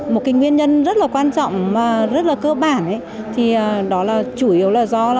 một cái nguyên nhân rất là quan trọng mà rất là cơ bản thì đó là chủ yếu là do